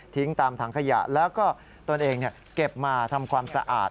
ตามถังขยะแล้วก็ตนเองเก็บมาทำความสะอาด